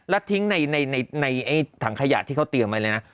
แล้วทิ้งในถังขยะที่เขาเตรียมไว้เลยนะ